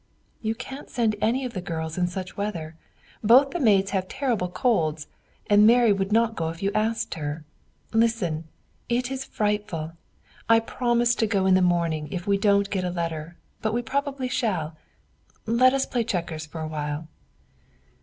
"You can't send any of the girls in such weather; both the maids have terrible colds, and Mary would not go if you asked her. Listen! It is frightful. I promise to go in the morning if we don't get a letter, but we probably shall. Let us play checkers for a while."